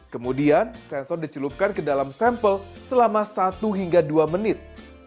kemudian sensor dicelupkan ke dalam sampel selama satu hingga dua menit